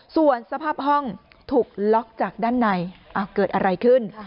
ส่วนสภาพห้องถูกล็อกจากด้านในเกิดอะไรขึ้น